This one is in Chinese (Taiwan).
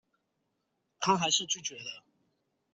她還是拒絕了